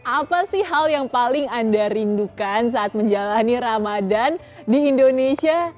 apa sih hal yang paling anda rindukan saat menjalani ramadan di indonesia